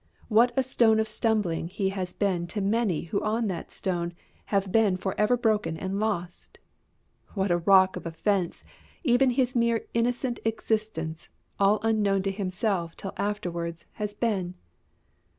What a stone of stumbling he has been to many who on that stone have been for ever broken and lost! What a rock of offence even his mere innocent existence, all unknown to himself till afterwards, has been!